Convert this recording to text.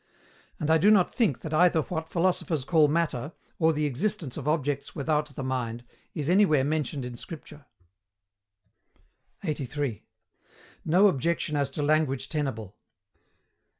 And I do not think that either what philosophers call Matter, or the existence of objects without the mind, is anywhere mentioned in Scripture. 83. NO OBJECTION AS TO LANGUAGE TENABLE.